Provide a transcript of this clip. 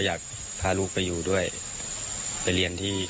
แบบจะกลัวว่าจะยังไงอะ